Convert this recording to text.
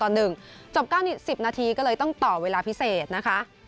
จบ๙๑๐นาทีก็เลยต้องต่อเวลาพิเศษนะคะ